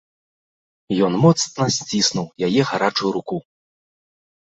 Ён моцна сціснуў яе гарачую руку.